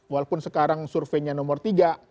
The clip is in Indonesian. walaupun sekarang surveinya nomor tiga